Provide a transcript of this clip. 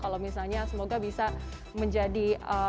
kalau misalnya semoga bisa menjadi